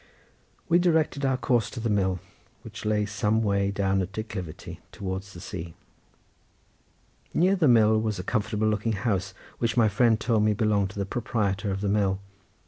We directed our course to the mill, which lay some way down a declivity towards the sea. Near the mill was a comfortable looking house, which my friend told me belonged to the proprietor of the mill.